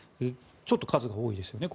ちょっと数が多いですよね。